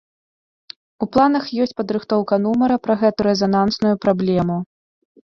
У планах ёсць падрыхтоўка нумара пра гэту рэзанансную праблему.